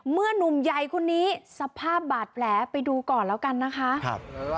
นุ่มใหญ่คนนี้สภาพบาดแผลไปดูก่อนแล้วกันนะคะ